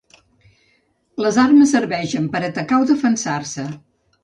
Les armes serveixen per atacar o defensar-se.